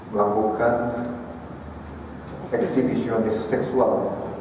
melakukan aksi ekshibisionis seksual